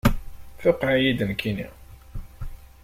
Tuqiɛ-yi-d nekkini.